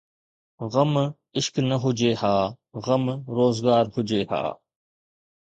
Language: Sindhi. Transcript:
غم عشق نه هجي ها، غم روزگار هجي ها